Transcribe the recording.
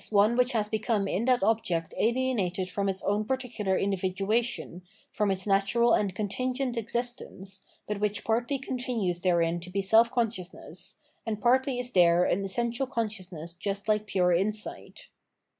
one which has become in that object alienated from its own particular individuation, from its natural and contingent existence, but which partly continues therein to be self consciousness, and partly is there an essential consciousness just like pure insight.